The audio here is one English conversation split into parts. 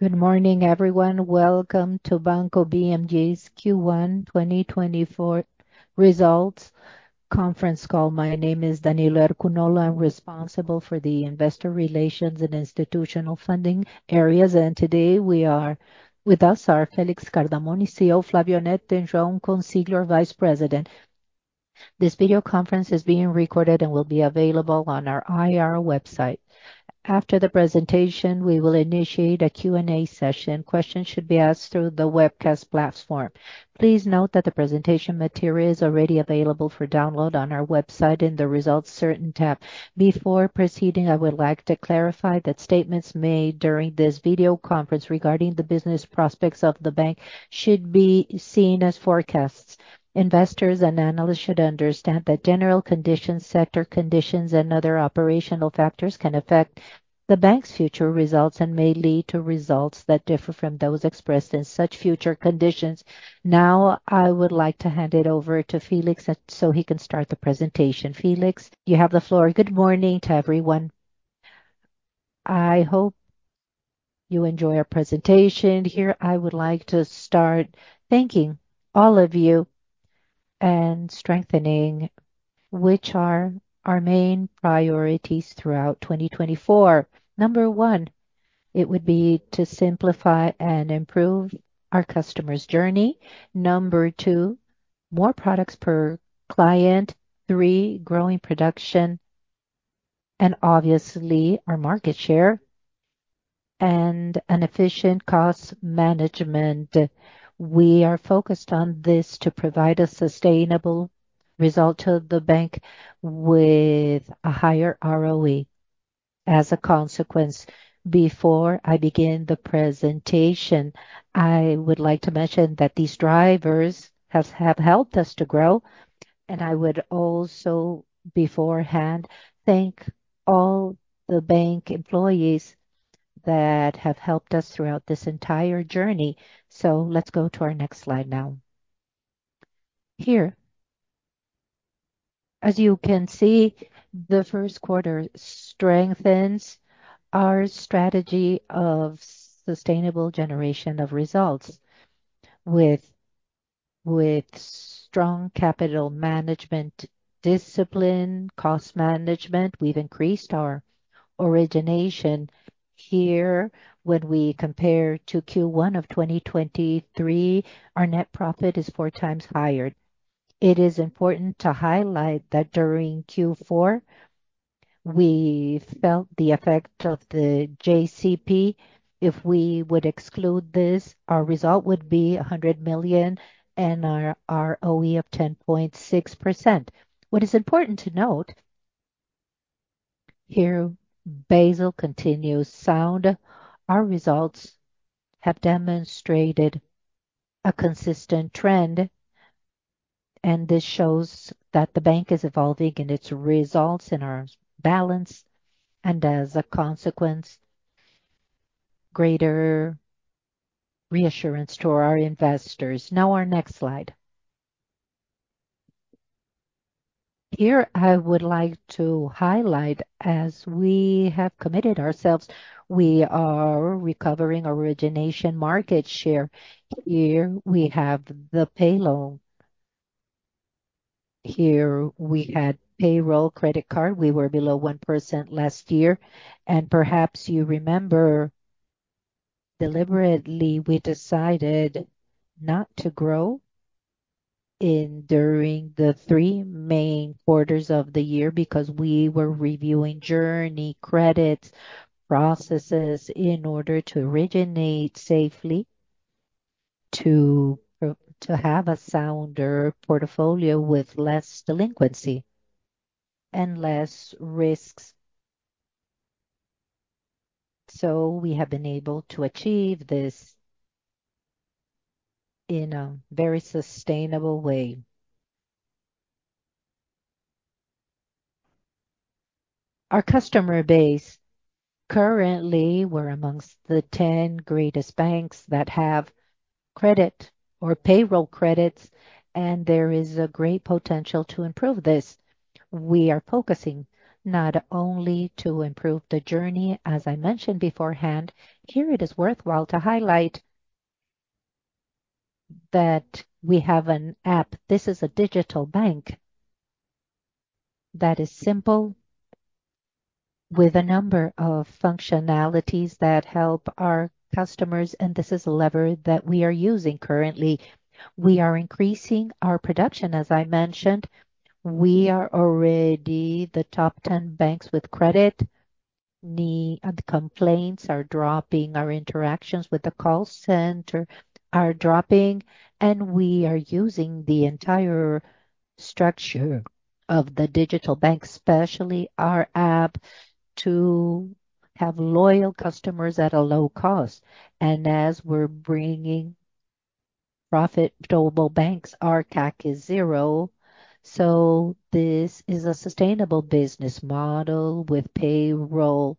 Good morning, everyone. Welcome to Banco BMG's Q1 2024 results conference call. My name is Danilo Herculano, I'm responsible for the investor relations and institutional funding areas, and today with us are Felix Cardamone, CEO, Flávio Netto, Executive Vice President. This video conference is being recorded and will be available on our IR website. After the presentation, we will initiate a Q&A session. Questions should be asked through the webcast platform. Please note that the presentation material is already available for download on our website in the Results section tab. Before proceeding, I would like to clarify that statements made during this video conference regarding the business prospects of the bank should be seen as forecasts. Investors and analysts should understand that general conditions, sector conditions, and other operational factors can affect the bank's future results and may lead to results that differ from those expressed in such future conditions. Now, I would like to hand it over to Felix, so he can start the presentation. Felix, you have the floor. Good morning to everyone. I hope you enjoy our presentation. Here, I would like to start thanking all of you and strengthening, which are our main priorities throughout 2024. Number 1, it would be to simplify and improve our customer's journey. Number 2, more products per client. 3, growing production, and obviously, our market share and an efficient cost management. We are focused on this to provide a sustainable result to the bank with a higher ROE as a consequence. Before I begin the presentation, I would like to mention that these drivers have helped us to grow, and I would also beforehand thank all the bank employees that have helped us throughout this entire journey. So let's go to our next slide now. Here, as you can see, the first quarter strengthens our strategy of sustainable generation of results. With strong capital management discipline, cost management, we've increased our origination. Here, when we compare to Q1 of 2023, our net profit is four times higher. It is important to highlight that during Q4, we felt the effect of the JCP. If we would exclude this, our result would be 100 million and our ROE of 10.6%. What is important to note, here, Basel continues sound. Our results have demonstrated a consistent trend, and this shows that the bank is evolving in its results and our balance, and as a consequence, greater reassurance to our investors. Now, our next slide. Here, I would like to highlight, as we have committed ourselves, we are recovering origination market share. Here, we have the pay loan. Here, we had payroll credit card. We were below 1% last year, and perhaps you remember, deliberately, we decided not to grow in during the three main quarters of the year because we were reviewing journey, credits, processes in order to originate safely, to, to have a sounder portfolio with less delinquency and less risks. So we have been able to achieve this in a very sustainable way. Our customer base, currently, we're among the 10 greatest banks that have credit or payroll credits, and there is a great potential to improve this. We are focusing not only to improve the journey, as I mentioned beforehand. Here it is worthwhile to highlight that we have an app. This is a digital bank that is simple, with a number of functionalities that help our customers, and this is a lever that we are using currently. We are increasing our production, as I mentioned. We are already the top 10 banks with credit. And complaints are dropping, our interactions with the call center are dropping, and we are using the entire structure of the digital bank, especially our app, to have loyal customers at a low cost. And as we're bringing profitable banks, our CAC is zero. So this is a sustainable business model with payroll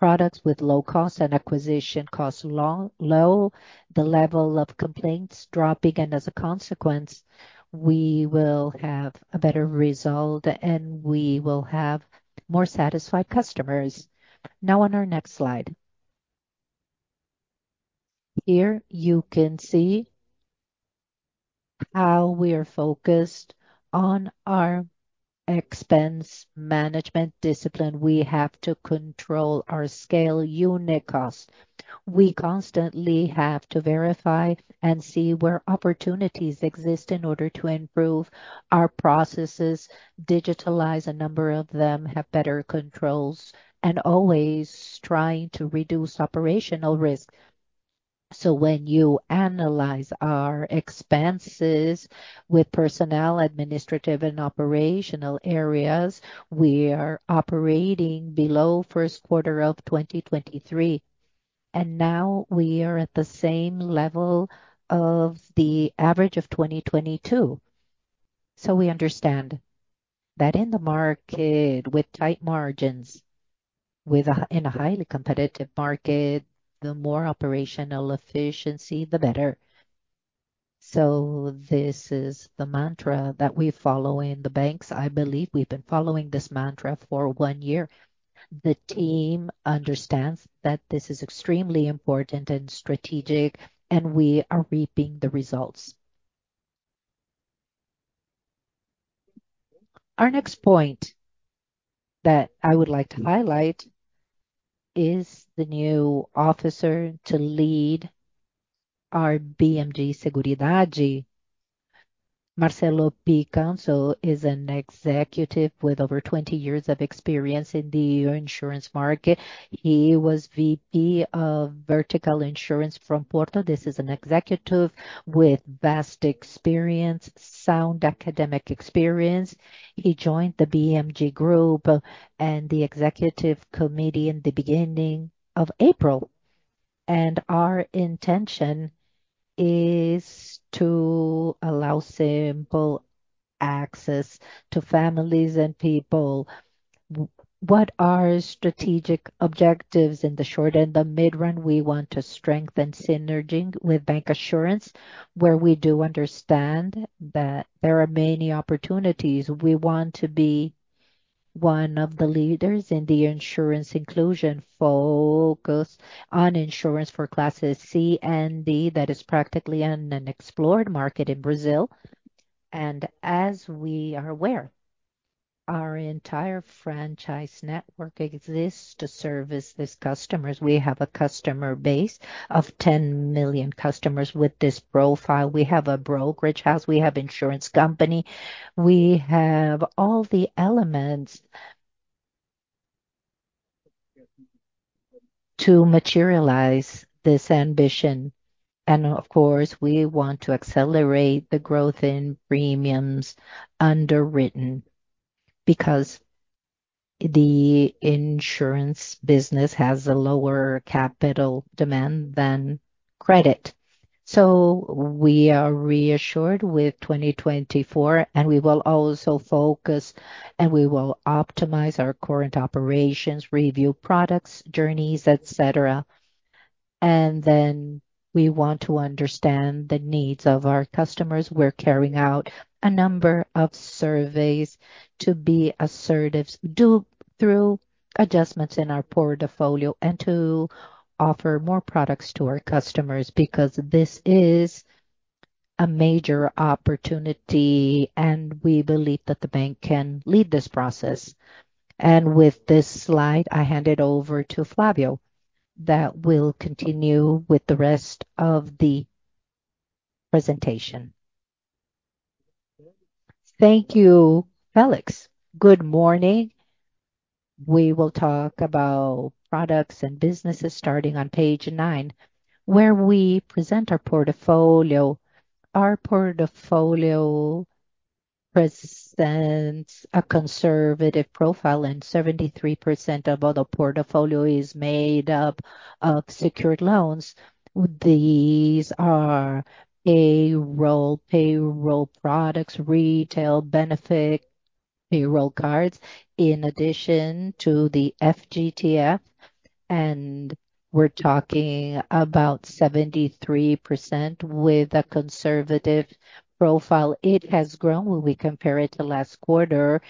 products, with low cost and acquisition costs low, low, the level of complaints dropping, and as a consequence, we will have a better result, and we will have more satisfied customers. Now, on our next slide. Here you can see how we are focused on our expense management discipline. We have to control our scale unit cost. We constantly have to verify and see where opportunities exist in order to improve our processes, digitalize a number of them, have better controls, and always trying to reduce operational risk. So when you analyze our expenses with personnel, administrative, and operational areas, we are operating below first quarter of 2023, and now we are at the same level of the average of 2022. So we understand that in the market, with tight margins, in a highly competitive market, the more operational efficiency, the better. So this is the mantra that we follow in the banks. I believe we've been following this mantra for one year. The team understands that this is extremely important and strategic, and we are reaping the results. Our next point that I would like to highlight is the new officer to lead our BMG Seguridade. Marcelo Picanço is an executive with over 20 years of experience in the insurance market. He was VP of Vertical Insurance from Porto. This is an executive with vast experience, sound academic experience. He joined the BMG group and the executive committee in the beginning of April, and our intention is to allow simple access to families and people. What are strategic objectives in the short and the mid run? We want to strengthen synergies with bancassurance, where we do understand that there are many opportunities. We want to be one of the leaders in the insurance inclusion, focus on insurance for classes C and D. That is practically an unexplored market in Brazil. As we are aware, our entire franchise network exists to service these customers. We have a customer base of 10 million customers with this profile. We have a brokerage house, we have insurance company, we have all the elements to materialize this ambition. Of course, we want to accelerate the growth in premiums underwritten, because the insurance business has a lower capital demand than credit. We are reassured with 2024, and we will also focus, and we will optimize our current operations, review products, journeys, et cetera. Then we want to understand the needs of our customers. We're carrying out a number of surveys to be assertive, do through adjustments in our portfolio, and to offer more products to our customers, because this is a major opportunity, and we believe that the bank can lead this process. With this slide, I hand it over to Flávio, that will continue with the rest of the presentation. Thank you, Felix. Good morning. We will talk about products and businesses starting on page 9, where we present our portfolio. Our portfolio presents a conservative profile, and 73% of all the portfolio is made up of secured loans. These are payroll products, retail benefit, payroll cards, in addition to the FGTS, and we're talking about 73% with a conservative profile. It has grown. When we compare it to last quarter,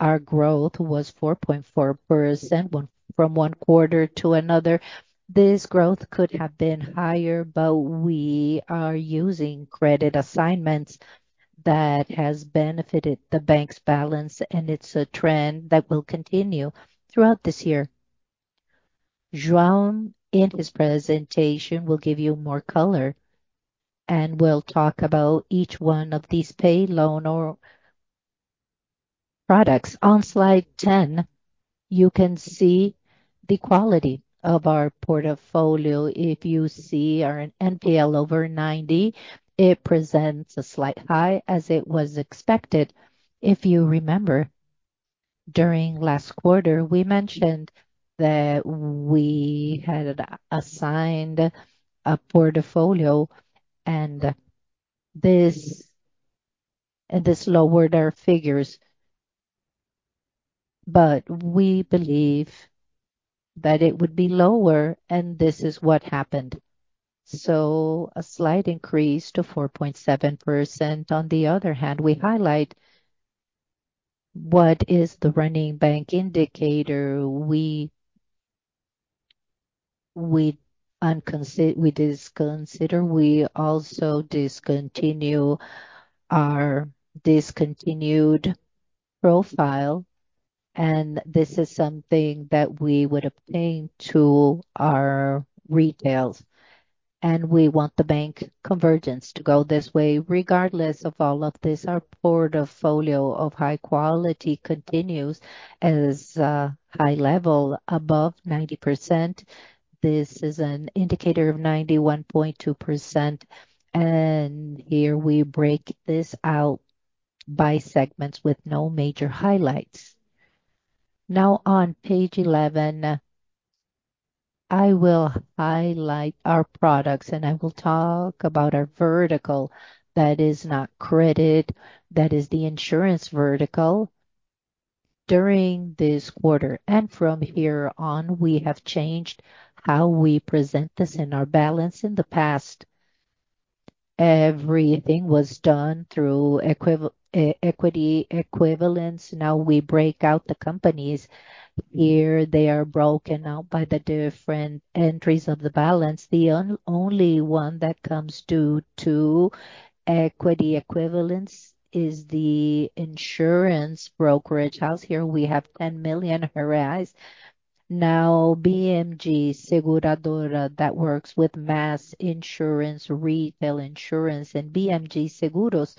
our growth was 4.4%. From one quarter to another. This growth could have been higher, but we are using credit assignments that has benefited the bank's balance, and it's a trend that will continue throughout this year. João, in his presentation, will give you more color, and we'll talk about each one of these pay loan or products. On slide 10, you can see the quality of our portfolio. If you see our NPL over 90, it presents a slight high, as it was expected. If you remember, during last quarter, we mentioned that we had assigned a portfolio, and this lowered our figures. But we believe that it would be lower, and this is what happened. So a slight increase to 4.7%. On the other hand, we highlight-... What is the running bank indicator we consider, we also discontinue our discontinued profile, and this is something that we would obtain to our retail, and we want the bank convergence to go this way. Regardless of all of this, our portfolio of high quality continues as high level above 90%. This is an indicator of 91.2%, and here we break this out by segments with no major highlights. Now, on page 11, I will highlight our products, and I will talk about our vertical. That is not credit, that is the insurance vertical. During this quarter and from here on, we have changed how we present this in our balance. In the past, everything was done through equity equivalents. Now we break out the companies. Here they are broken out by the different entries of the balance. The only one that comes due to equity equivalents is the insurance brokerage house. Here we have 10 million. Now, BMG Seguradora, that works with mass insurance, retail insurance, and BMG Seguros,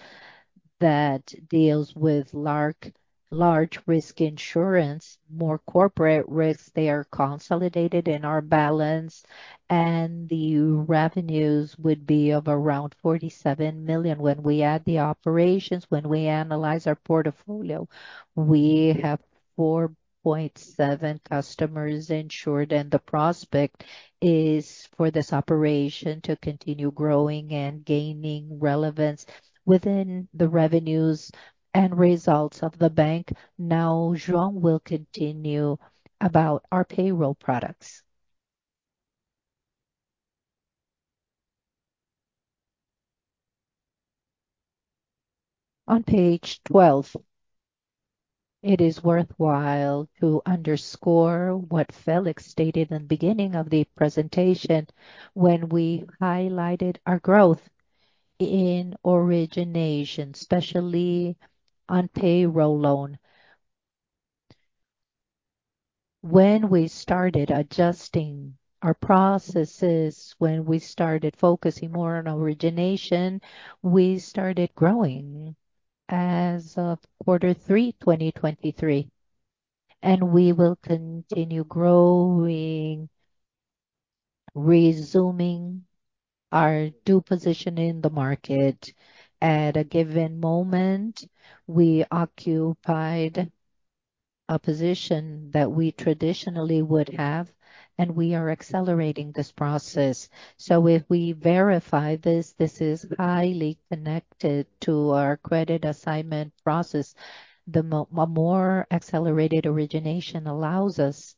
that deals with large risk insurance, more corporate risks, they are consolidated in our balance, and the revenues would be of around 47 million. When we add the operations, when we analyze our portfolio, we have 4.7 customers insured, and the prospect is for this operation to continue growing and gaining relevance within the revenues and results of the bank. Now, John will continue about our payroll products. On page 12, it is worthwhile to underscore what Felix stated in the beginning of the presentation when we highlighted our growth in origination, especially on payroll loan. When we started adjusting our processes, when we started focusing more on origination, we started growing as of quarter 3, 2023, and we will continue growing, resuming our due position in the market. At a given moment, we occupied a position that we traditionally would have, and we are accelerating this process. So if we verify this, this is highly connected to our credit assignment process. The more accelerated origination allows us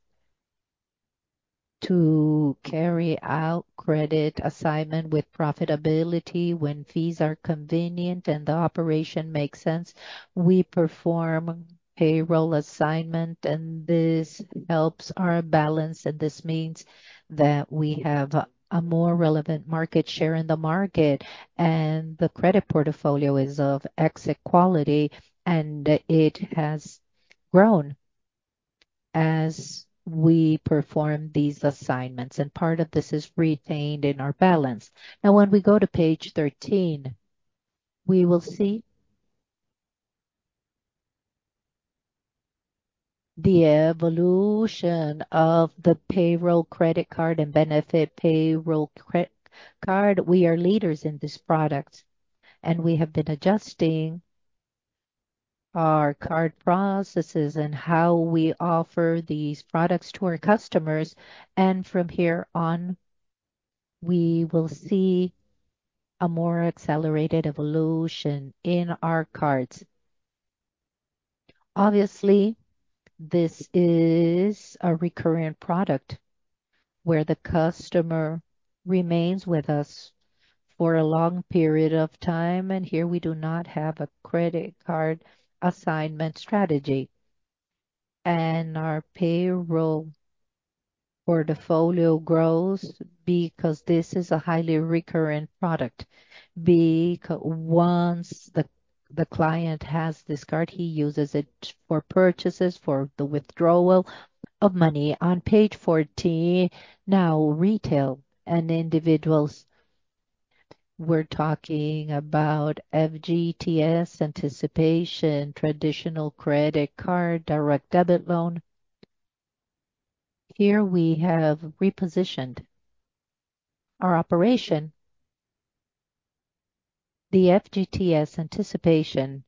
to carry out credit assignment with profitability. When fees are convenient and the operation makes sense, we perform payroll assignment, and this helps our balance, and this means that we have a more relevant market share in the market, and the credit portfolio is of exit quality, and it has grown as we perform these assignments, and part of this is retained in our balance. Now, when we go to page 13, we will see the evolution of the payroll credit card and benefit payroll credit card. We are leaders in this product, and we have been adjusting our card processes and how we offer these products to our customers, and from here on, we will see a more accelerated evolution in our cards. Obviously, this is a recurrent product where the customer remains with us for a long period of time, and here we do not have a credit card assignment strategy. And our payroll portfolio grows because this is a highly recurrent product. Once the client has this card, he uses it for purchases, for the withdrawal of money. On page 14, now, retail and individuals, we're talking about FGTS anticipation, traditional credit card, direct debit loan. Here we have repositioned our operation, the FGTS anticipation,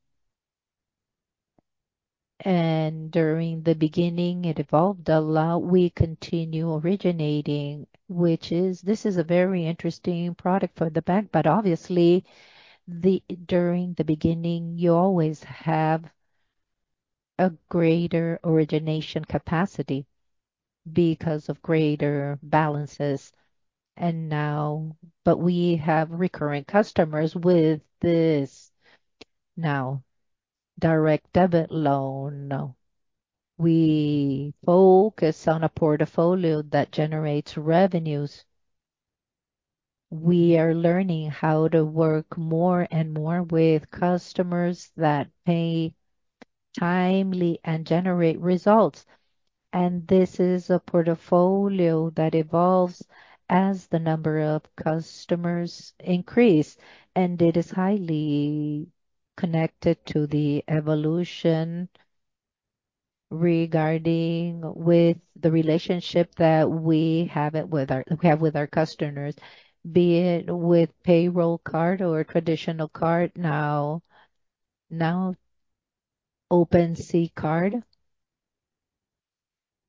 and during the beginning, it evolved a lot. We continue originating, which is a very interesting product for the bank, but obviously, during the beginning, you always have a greater origination capacity because of greater balances. Now, but we have recurring customers with this. Now, direct debt loan, we focus on a portfolio that generates revenues. We are learning how to work more and more with customers that pay timely and generate results. This is a portfolio that evolves as the number of customers increase, and it is highly connected to the evolution regarding with the relationship that we have it with our customers, be it with payroll card or traditional card. Now, now, Open Sea card.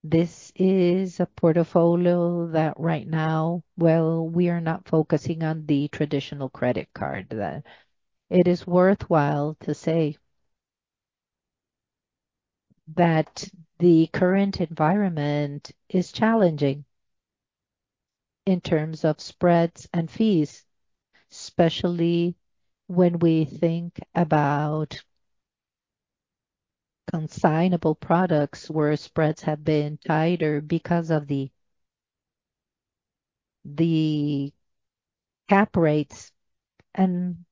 This is a portfolio that right now, well, we are not focusing on the traditional credit card, that it is worthwhile to say. That the current environment is challenging in terms of spreads and fees, especially when we think about consignable products, where spreads have been tighter because of the cap rates, and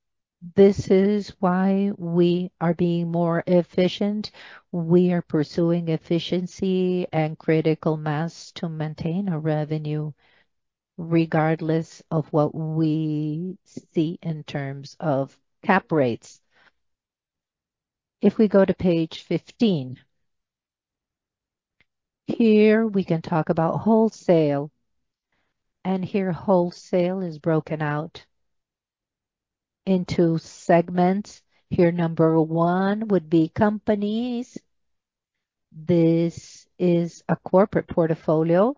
this is why we are being more efficient. We are pursuing efficiency and critical mass to maintain our revenue, regardless of what we see in terms of cap rates. If we go to page 15, here we can talk about wholesale, and here, wholesale is broken out into segments. Here, number one would be companies. This is a corporate portfolio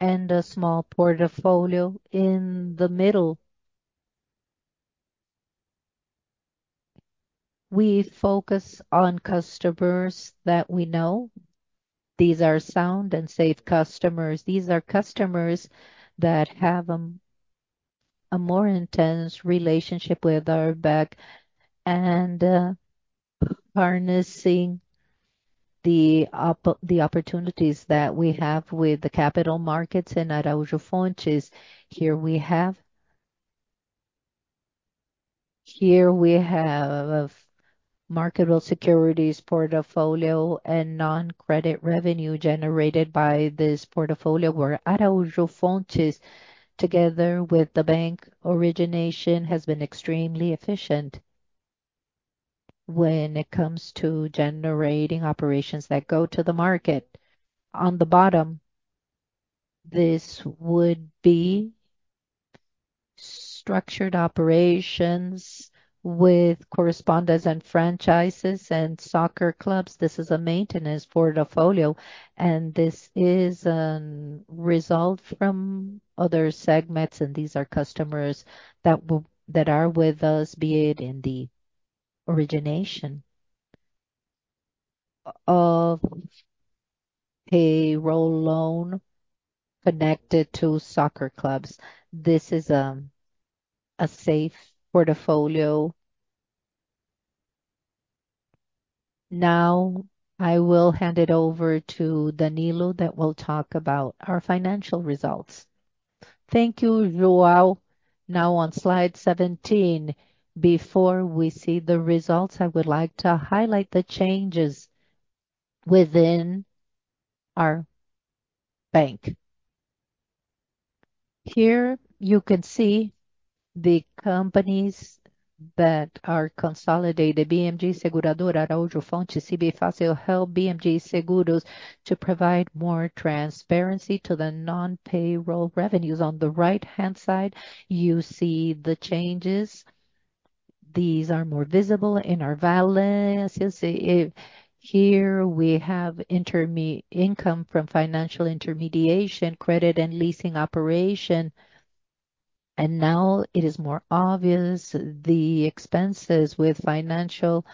and a small portfolio in the middle. We focus on customers that we know. These are sound and safe customers. These are customers that have a more intense relationship with our bank and harnessing the opportunities that we have with the capital markets in Araujo Fontes. Here we have marketable securities portfolio and non-credit revenue generated by this portfolio, where Araujo Fontes, together with the bank origination, has been extremely efficient when it comes to generating operations that go to the market. On the bottom, this would be structured operations with correspondents and franchises and soccer clubs. This is a maintenance portfolio, and this is result from other segments, and these are customers that are with us, be it in the origination of a payroll loan connected to soccer clubs. This is a safe portfolio. Now, I will hand it over to Danilo, that will talk about our financial results. Thank you, João. Now on slide 17, before we see the results, I would like to highlight the changes within our bank. Here you can see the companies that are consolidated, BMG Seguradora, Araujo Fontes, CB Fácil, Help, BMG Seguros, to provide more transparency to the non-payroll revenues. On the right-hand side, you see the changes. These are more visible in our balances. Here we have income from financial intermediation, credit, and leasing operation, and now it is more obvious the expenses with financial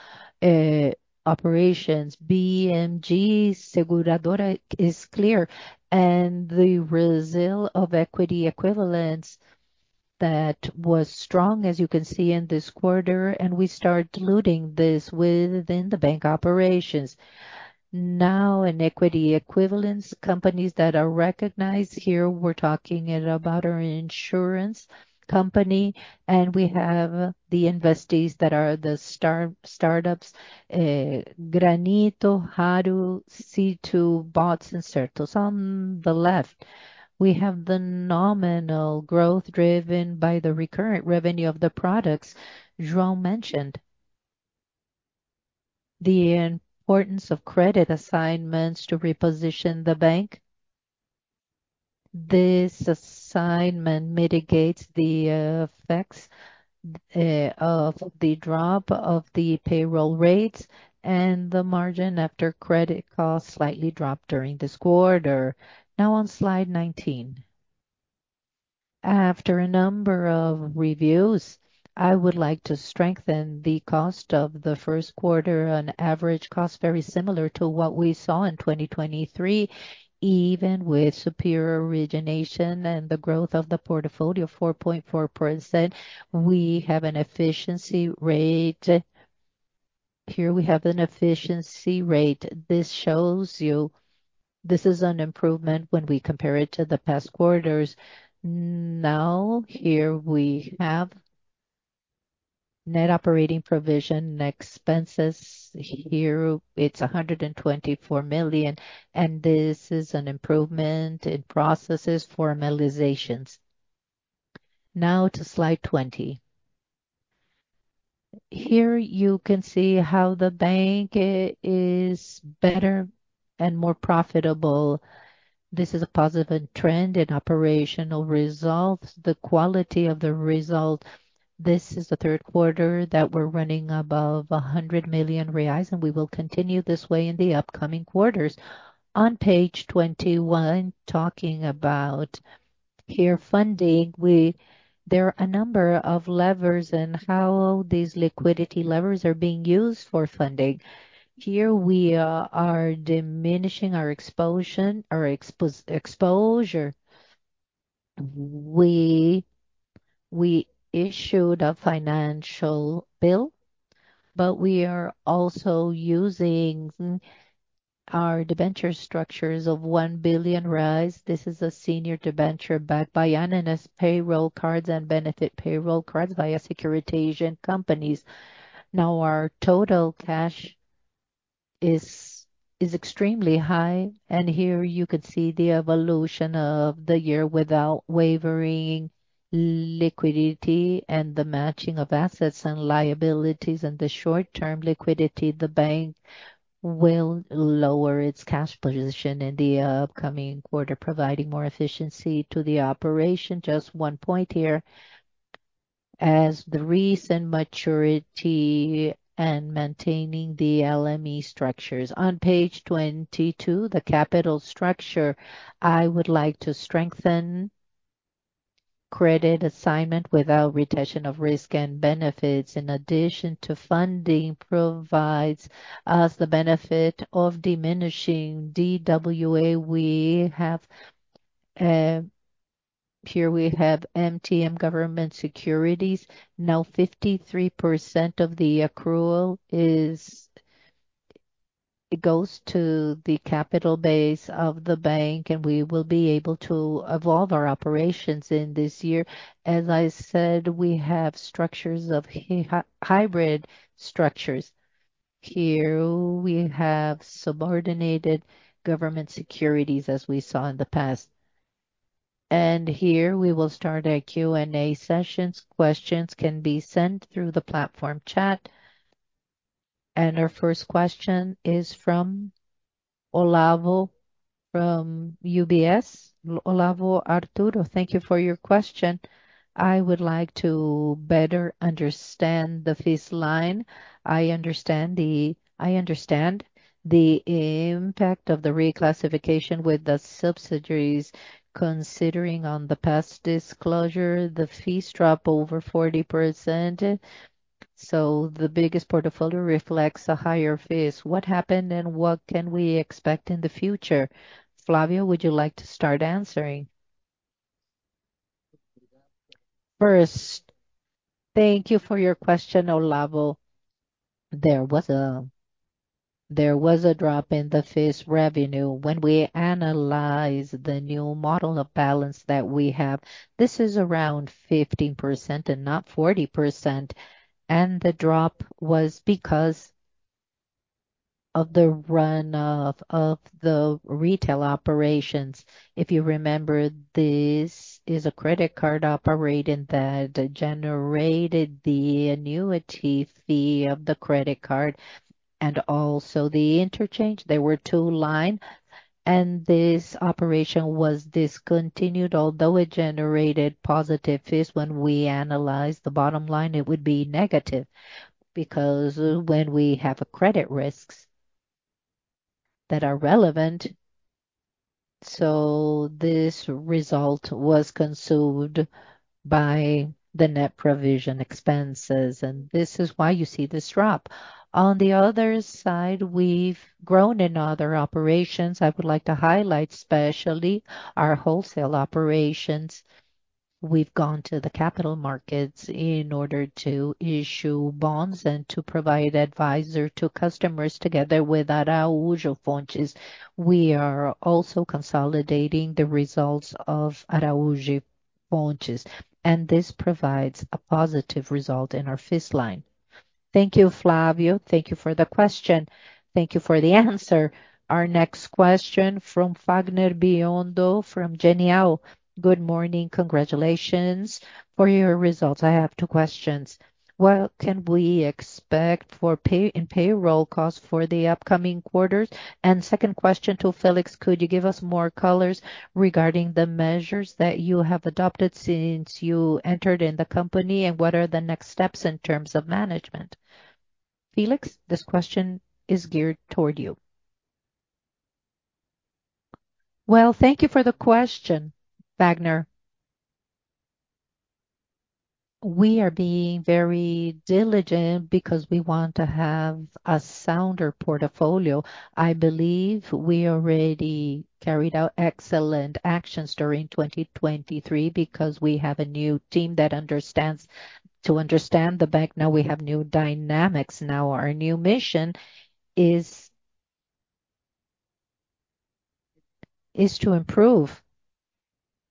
operations. BMG Seguradora is clear, and the result of equity equivalents that was strong, as you can see in this quarter, and we start diluting this within the bank operations. Now, in equity equivalents, companies that are recognized here, we're talking about our insurance company, and we have the investees that are the startups, Granito, Raro, C2, Bots, and Certos. On the left, we have the nominal growth driven by the recurrent revenue of the products Joao mentioned. The importance of credit assignments to reposition the bank. This assignment mitigates the effects of the drop of the payroll rates, and the margin after credit costs slightly dropped during this quarter. Now on slide 19. After a number of reviews, I would like to strengthen the cost of the first quarter, an average cost very similar to what we saw in 2023, even with superior origination and the growth of the portfolio, 4.4%. We have an efficiency rate. Here we have an efficiency rate. This shows you this is an improvement when we compare it to the past quarters. Now, here we have net operating provision and expenses. Here, it's 124 million, and this is an improvement in processes formalizations. Now to slide 20. Here you can see how the bank is better and more profitable. This is a positive trend in operational results, the quality of the result. This is the third quarter that we're running above 100 million reais, and we will continue this way in the upcoming quarters. On page 21, talking about peer funding, we, there are a number of levers and how these liquidity levers are being used for funding. Here we are diminishing our exposure. We issued a financial bill, but we are also using our debenture structures of 1 billion. This is a senior debenture backed by UNS payroll cards and benefit payroll cards via securitization companies. Now, our total cash is extremely high, and here you could see the evolution of the year without wavering liquidity and the matching of assets and liabilities and the short-term liquidity. The bank will lower its cash position in the upcoming quarter, providing more efficiency to the operation. Just one point here, as the recent maturity and maintaining the LME structures. On page 22, the capital structure, I would like to strengthen credit assignment without retention of risk and benefits, in addition to funding, provides us the benefit of diminishing DWA. We have... Here we have MTM government securities. Now, 53% of the accrual is, it goes to the capital base of the bank, and we will be able to evolve our operations in this year. As I said, we have structures of hybrid structures. Here we have subordinated government securities, as we saw in the past. Here we will start a Q&A sessions. Questions can be sent through the platform chat. Our first question is from Olavo, from UBS. Olavo Arthuzo, thank you for your question. I would like to better understand the fees line. I understand the impact of the reclassification with the subsidiaries, considering on the past disclosure, the fees drop over 40%, so the biggest portfolio reflects a higher fees. What happened and what can we expect in the future? Flávio, would you like to start answering? First, thank you for your question, Olavo. There was a drop in the fees revenue. When we analyze the new model of balance that we have, this is around 15% and not 40%, and the drop was because of the runoff of the retail operations. If you remember, this is a credit card operating that generated the annuity fee of the credit card and also the interchange. There were two line, and this operation was discontinued, although it generated positive fees. When we analyzed the bottom line, it would be negative, because when we have credit risks that are relevant, so this result was consumed by the net provision expenses, and this is why you see this drop. On the other side, we've grown in other operations. I would like to highlight, especially our wholesale operations. We've gone to the capital markets in order to issue bonds and to provide advisor to customers together with Araujo Fontes. We are also consolidating the results of Araujo Fontes, and this provides a positive result in our fees line. Thank you, Flávio. Thank you for the question. Thank you for the answer. Our next question from Fagner Biondo from Genial. Good morning. Congratulations for your results. I have two questions: What can we expect for payroll costs for the upcoming quarters? And second question to Felix: Could you give us more colors regarding the measures that you have adopted since you entered in the company, and what are the next steps in terms of management? Felix, this question is geared toward you. Well, thank you for the question, Fagner. We are being very diligent because we want to have a sounder portfolio. I believe we already carried out excellent actions during 2023, because we have a new team that understands the bank, now we have new dynamics. Now, our new mission is, is to improve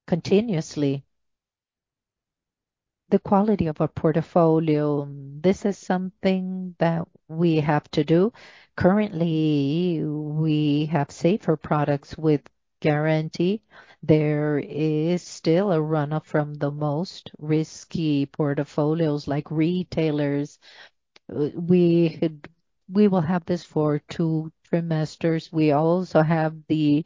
continuously the quality of our portfolio. This is something that we have to do. Currently, we have safer products with guarantee. There is still a runoff from the most risky portfolios, like retailers. We will have this for two quarters. We also have the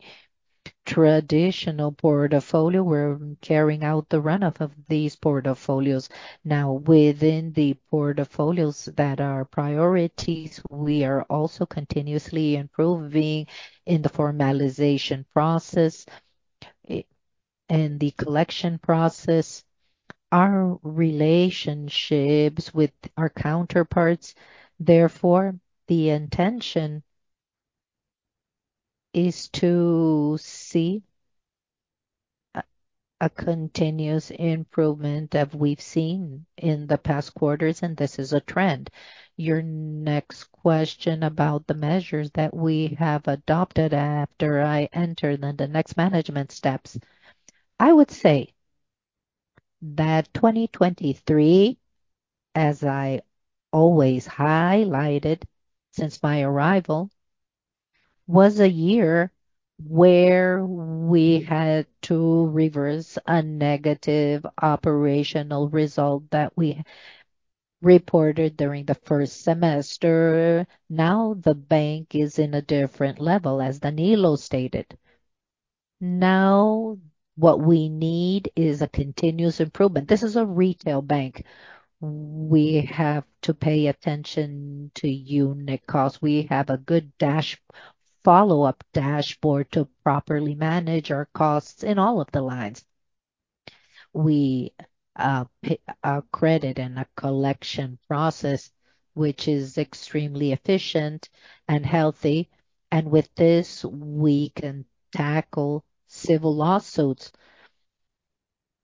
traditional portfolio. We're carrying out the runoff of these portfolios now. Within the portfolios that are priorities, we are also continuously improving in the formalization process and, and the collection process, our relationships with our counterparts. Therefore, the intention is to see a, a continuous improvement that we've seen in the past quarters, and this is a trend. Your next question about the measures that we have adopted after I entered, and the next management steps. I would say that 2023, as I always highlighted since my arrival, was a year where we had to reverse a negative operational result that we reported during the first semester. Now, the bank is in a different level, as Danilo stated. Now, what we need is a continuous improvement. This is a retail bank. We have to pay attention to unit costs. We have a good dashboard to properly manage our costs in all of the lines. We pay our credit and our collection process, which is extremely efficient and healthy, and with this, we can tackle civil lawsuits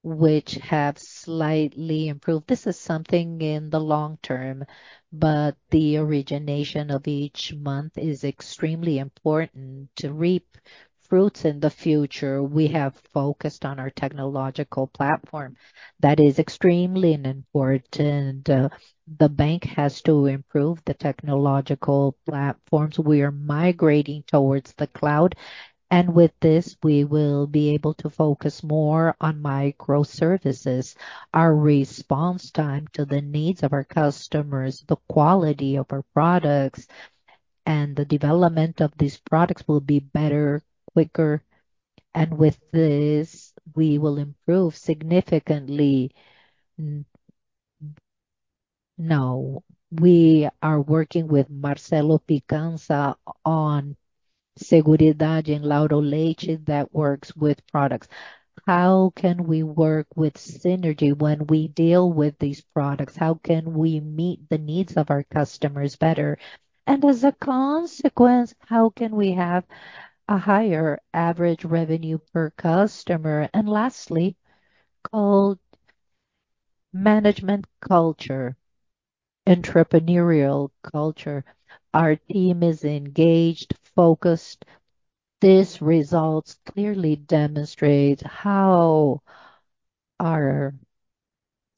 which have slightly improved. This is something in the long term, but the origination of each month is extremely important. To reap fruits in the future, we have focused on our technological platform. That is extremely important, the bank has to improve the technological platforms. We are migrating towards the cloud, and with this, we will be able to focus more on microservices. Our response time to the needs of our customers, the quality of our products, and the development of these products will be better, quicker, and with this, we will improve significantly. Now, we are working with Marcelo Picanço on seguridade and Lauro Leite that works with products. How can we work with synergy when we deal with these products? How can we meet the needs of our customers better? And as a consequence, how can we have a higher average revenue per customer? And lastly, called management culture, entrepreneurial culture. Our team is engaged, focused. These results clearly demonstrate how our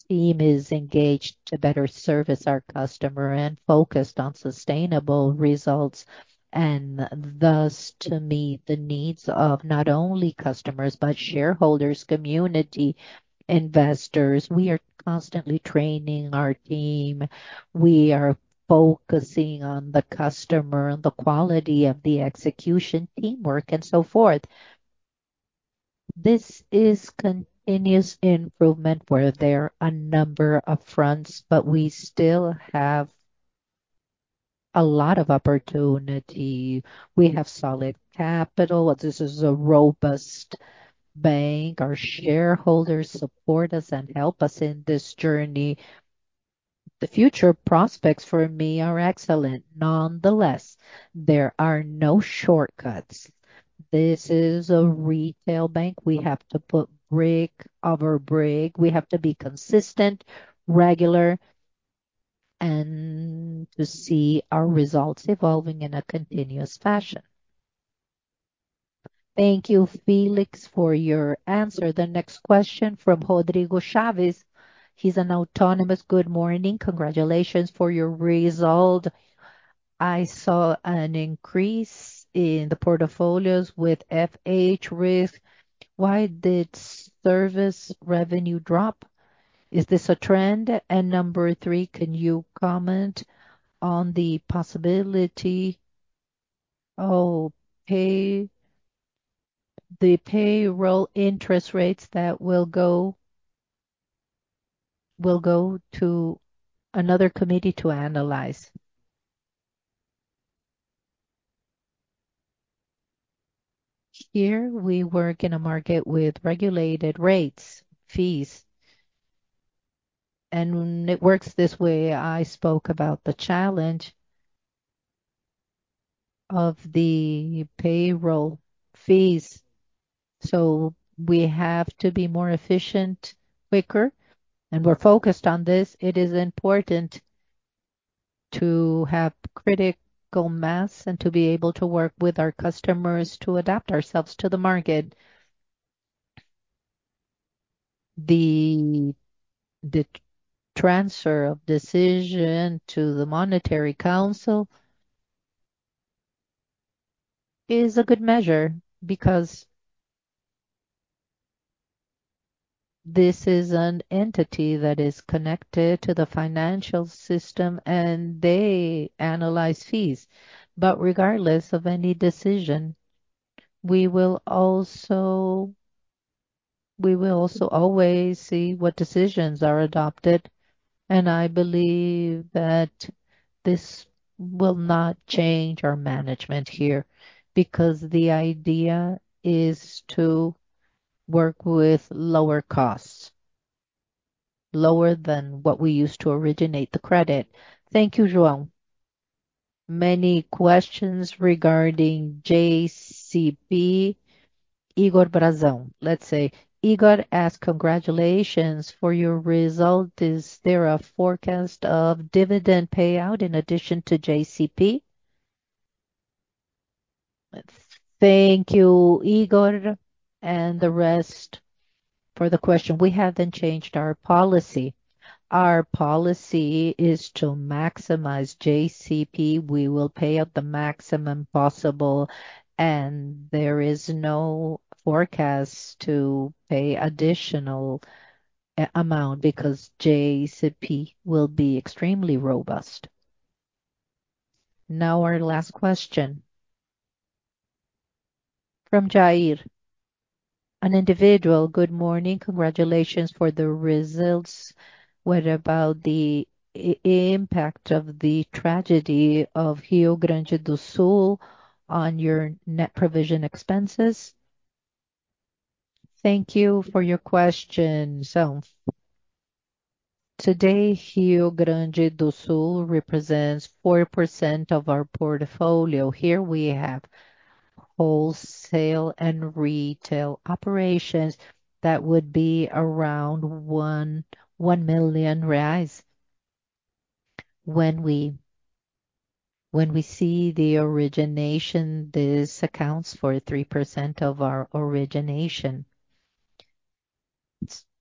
team is engaged to better service our customer and focused on sustainable results, and thus, to meet the needs of not only customers, but shareholders, community, investors. We are constantly training our team. We are focusing on the customer, the quality of the execution, teamwork, and so forth. This is continuous improvement, where there are a number of fronts, but we still have a lot of opportunity. We have solid capital. This is a robust bank. Our shareholders support us and help us in this journey. The future prospects for me are excellent. Nonetheless, there are no shortcuts. This is a retail bank. We have to put brick over brick. We have to be consistent, regular, and to see our results evolving in a continuous fashion. Thank you, Felix, for your answer. The next question from Rodrigo Chavez. He's an autonomous. Good morning. Congratulations for your result. I saw an increase in the portfolios with FH risk. Why did service revenue drop? Is this a trend? And number three, can you comment on the possibility... Oh, payroll interest rates that will go up? ...will go to another committee to analyze. Here we work in a market with regulated rates, fees, and when it works this way, I spoke about the challenge of the payroll fees. So we have to be more efficient, quicker, and we're focused on this. It is important to have critical mass and to be able to work with our customers to adapt ourselves to the market. The transfer of decision to the Monetary Council is a good measure because this is an entity that is connected to the financial system, and they analyze fees. But regardless of any decision, we will also always see what decisions are adopted, and I believe that this will not change our management here, because the idea is to work with lower costs, lower than what we used to originate the credit. Thank you, João. Many questions regarding JCP, Igor Brazão. Let's see. Igor asked: Congratulations for your result. Is there a forecast of dividend payout in addition to JCP? Thank you, Igor, and the rest for the question. We haven't changed our policy. Our policy is to maximize JCP. We will pay out the maximum possible, and there is no forecast to pay additional amount because JCP will be extremely robust. Now, our last question from Jair, an individual. Good morning. Congratulations for the results. What about the impact of the tragedy of Rio Grande do Sul on your net provision expenses? Thank you for your question, sir. Today, Rio Grande do Sul represents 4% of our portfolio. Here we have wholesale and retail operations that would be around 1 million reais. When we see the origination, this accounts for 3% of our origination.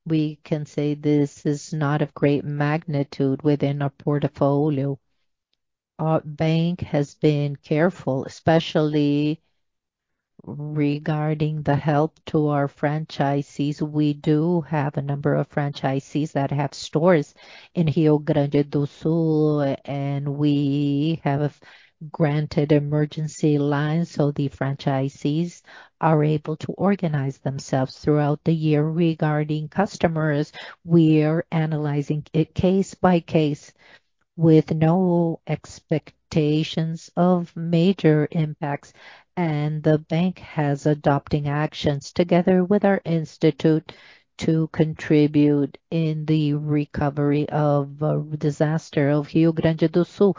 We can say this is not of great magnitude within our portfolio. Our bank has been careful, especially regarding the help to our franchisees. We do have a number of franchisees that have stores in Rio Grande do Sul, and we have granted emergency lines, so the franchisees are able to organize themselves throughout the year. Regarding customers, we are analyzing it case by case with no expectations of major impacts, and the bank has adopting actions together with our institute to contribute in the recovery of disaster of Rio Grande do Sul.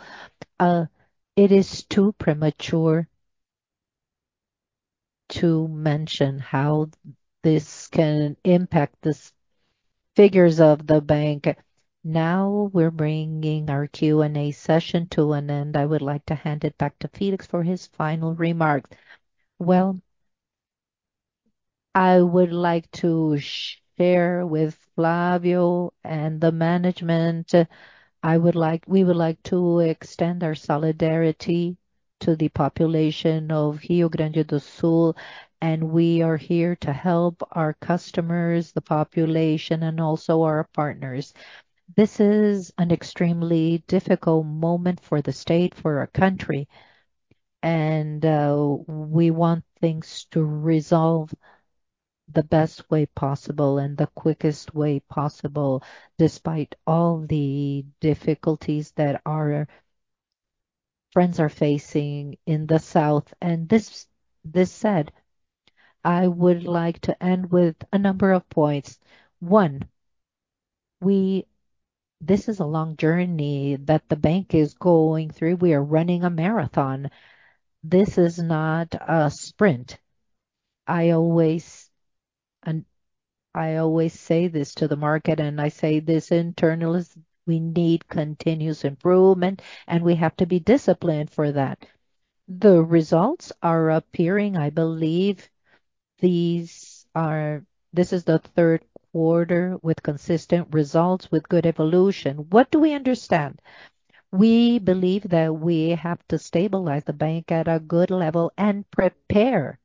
It is too premature to mention how this can impact the figures of the bank. Now, we're bringing our Q&A session to an end. I would like to hand it back to Felix for his final remarks. Well, I would like to share with Flávio and the management, we would like to extend our solidarity to the population of Rio Grande do Sul, and we are here to help our customers, the population, and also our partners. This is an extremely difficult moment for the state, for our country, and we want things to resolve the best way possible and the quickest way possible, despite all the difficulties that our friends are facing in the south. And, this said, I would like to end with a number of points. One, this is a long journey that the bank is going through. We are running a marathon. This is not a sprint. I always say this to the market, and I say this internally, we need continuous improvement, and we have to be disciplined for that. The results are appearing. I believe this is the third quarter with consistent results, with good evolution. What do we understand? We believe that we have to stabilize the bank at a good level and prepare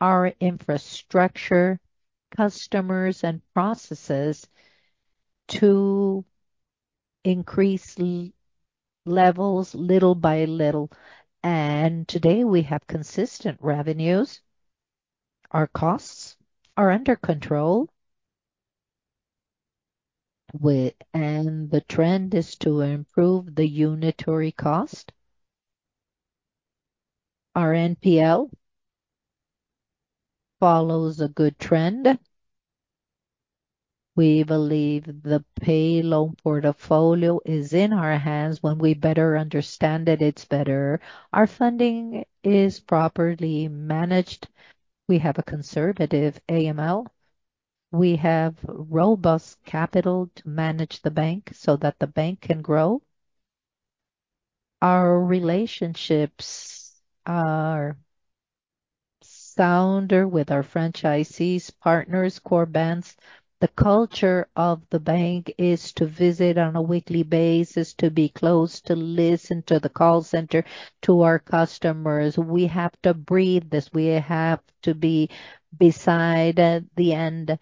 our infrastructure, customers and processes to increase the levels little by little, and today we have consistent revenues. Our costs are under control, and the trend is to improve the unitary cost. Our NPL follows a good trend. We believe the payroll loan portfolio is in our hands. When we better understand it, it's better. Our funding is properly managed. We have a conservative AML. We have robust capital to manage the bank so that the bank can grow. Our relationships are sounder with our franchisees, partners, core banks. The culture of the bank is to visit on a weekly basis, to be close, to listen to the call center, to our customers. We have to breathe this. We have to be beside at the end,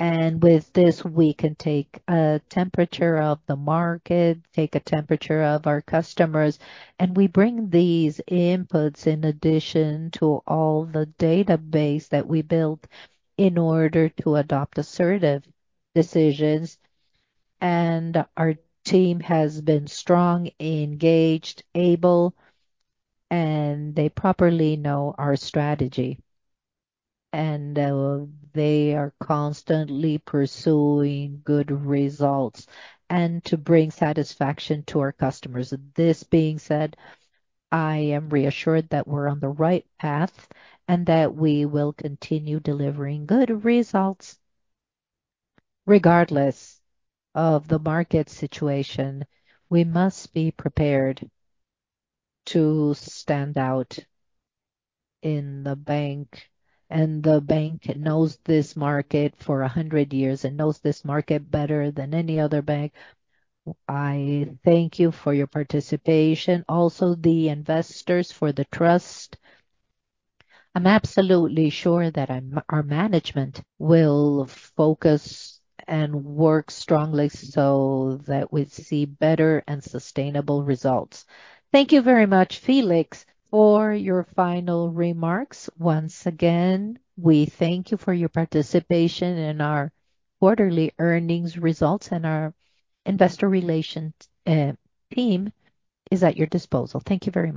and with this, we can take a temperature of the market, take a temperature of our customers, and we bring these inputs in addition to all the database that we built in order to adopt assertive decisions. And our team has been strong, engaged, able, and they properly know our strategy, and they are constantly pursuing good results and to bring satisfaction to our customers. This being said, I am reassured that we're on the right path and that we will continue delivering good results. Regardless of the market situation, we must be prepared to stand out in the bank, and the bank knows this market for 100 years and knows this market better than any other bank. I thank you for your participation, also the investors, for the trust. I'm absolutely sure that our management will focus and work strongly so that we see better and sustainable results. Thank you very much, Felix, for your final remarks. Once again, we thank you for your participation in our quarterly earnings results, and our investor relations team is at your disposal. Thank you very much!